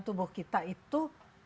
tubuh kita itu